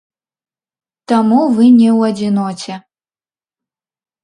Таму вы не ў адзіноце.